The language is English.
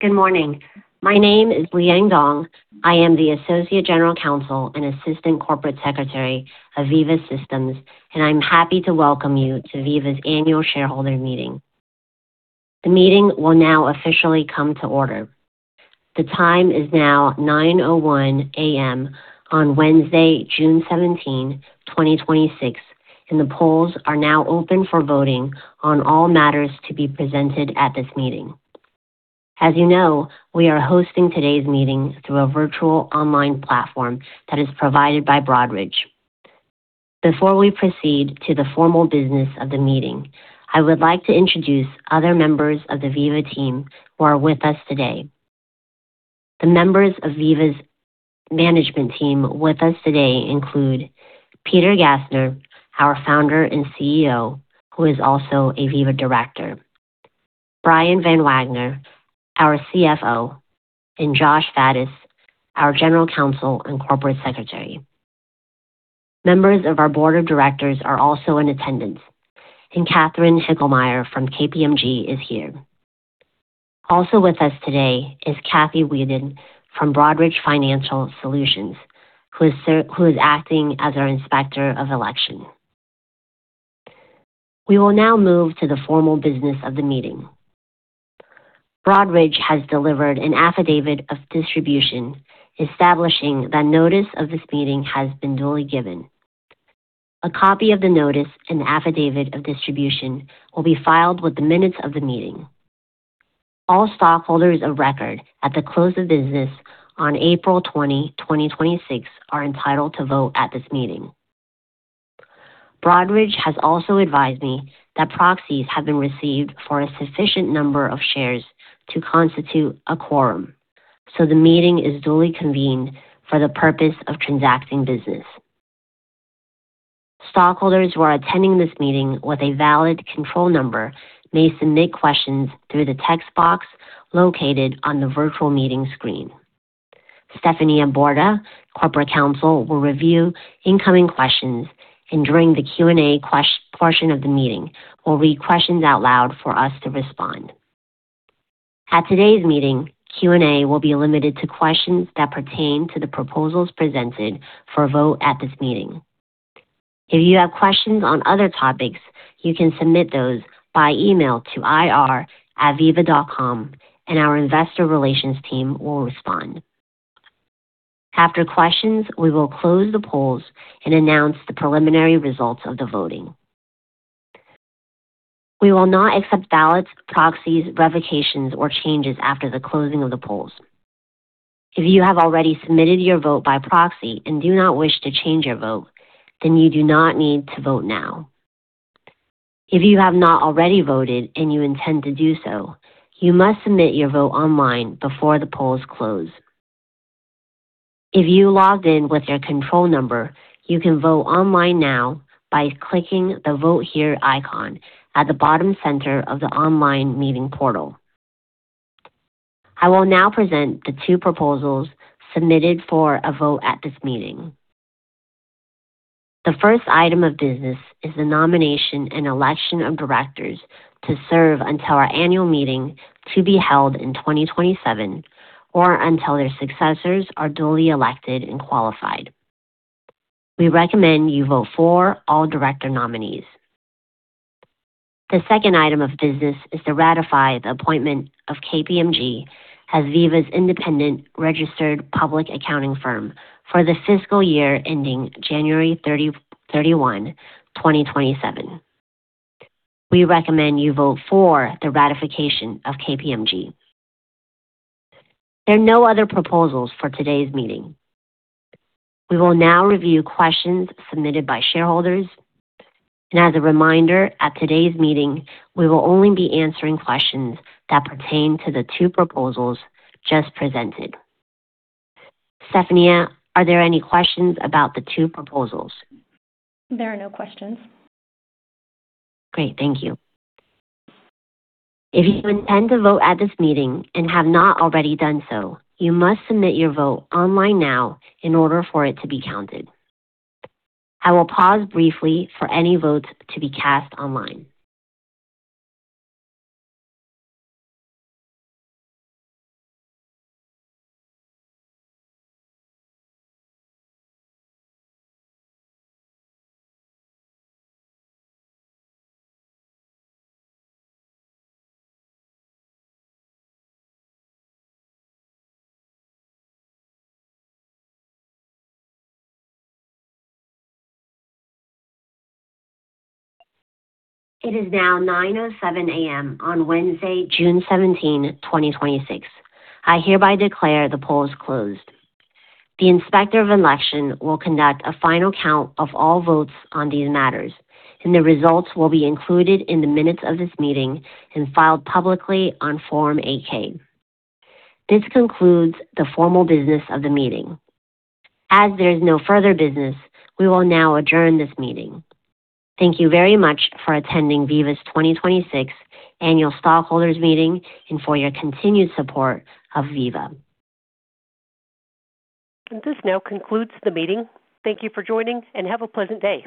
Good morning. My name is Liang Dong. I am the Associate General Counsel and Assistant Corporate Secretary of Veeva Systems, I'm happy to welcome you to Veeva's annual shareholder meeting. The meeting will now officially come to order. The time is now 9:01 A.M. on Wednesday, June 17, 2026, the polls are now open for voting on all matters to be presented at this meeting. As you know, we are hosting today's meeting through a virtual online platform that is provided by Broadridge. Before we proceed to the formal business of the meeting, I would like to introduce other members of the Veeva team who are with us today. The members of Veeva's management team with us today include Peter Gassner, our Founder and CEO, who is also a Veeva director, Brian Van Wagoner, our CFO, and Josh Faddis, our General Counsel and Corporate Secretary. Members of our board of directors are also in attendance, Katie Hilkenmeyer from KPMG is here. Also with us today is Kathy Wiedin from Broadridge Financial Solutions, who is acting as our Inspector of Election. We will now move to the formal business of the meeting. Broadridge has delivered an affidavit of distribution establishing that notice of this meeting has been duly given. A copy of the notice and the affidavit of distribution will be filed with the minutes of the meeting. All stockholders of record at the close of business on April 20, 2026, are entitled to vote at this meeting. Broadridge has also advised me that proxies have been received for a sufficient number of shares to constitute a quorum, the meeting is duly convened for the purpose of transacting business. Stockholders who are attending this meeting with a valid control number may submit questions through the text box located on the virtual meeting screen. Stephanie Borda, corporate counsel, will review incoming questions and during the Q&A portion of the meeting will read questions out loud for us to respond. At today's meeting, Q&A will be limited to questions that pertain to the proposals presented for a vote at this meeting. If you have questions on other topics, you can submit those by email to ir@veeva.com, our investor relations team will respond. After questions, we will close the polls and announce the preliminary results of the voting. We will not accept ballots, proxies, revocations, or changes after the closing of the polls. If you have already submitted your vote by proxy and do not wish to change your vote, then you do not need to vote now. If you have not already voted and you intend to do so, you must submit your vote online before the polls close. If you logged in with your control number, you can vote online now by clicking the Vote Here icon at the bottom center of the online meeting portal. I will now present the two proposals submitted for a vote at this meeting. The first item of business is the nomination and election of directors to serve until our annual meeting to be held in 2027 or until their successors are duly elected and qualified. We recommend you vote for all director nominees. The second item of business is to ratify the appointment of KPMG as Veeva's independent registered public accounting firm for the fiscal year ending January 31, 2027. We recommend you vote for the ratification of KPMG. There are no other proposals for today's meeting. We will now review questions submitted by shareholders. As a reminder, at today's meeting, we will only be answering questions that pertain to the two proposals just presented. Stephanie, are there any questions about the two proposals? There are no questions. Great. Thank you. If you intend to vote at this meeting and have not already done so, you must submit your vote online now in order for it to be counted. I will pause briefly for any votes to be cast online. It is now 9:07 A.M. on Wednesday, June 17, 2026. I hereby declare the polls closed. The Inspector of Election will conduct a final count of all votes on these matters, and the results will be included in the minutes of this meeting and filed publicly on Form 8-K. This concludes the formal business of the meeting. As there is no further business, we will now adjourn this meeting. Thank you very much for attending Veeva's 2026 Annual Stockholders Meeting and for your continued support of Veeva. This now concludes the meeting. Thank you for joining, and have a pleasant day.